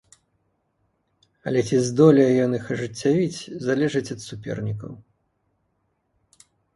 Але ці здолее ён іх ажыццявіць, залежыць ад супернікаў.